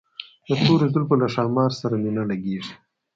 د تورو زلفو له ښامار سره مي نه لګیږي